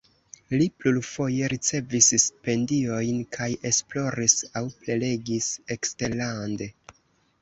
Li plurfoje ricevis stipendiojn kaj esploris aŭ prelegis eksterlande.